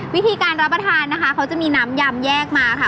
วิธีการรับประทานนะคะเขาจะมีน้ำยำแยกมาค่ะ